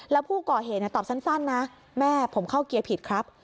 แล้วผู้ก่อเหตุตอบสั้นนะแม่ผมเข้าเกียร์ผิดครับ